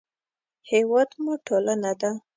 هېواد مو ټولنه ده